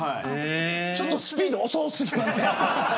ちょっとスピード遅すぎないですか。